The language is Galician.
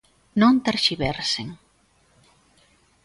¡Non terxiversen!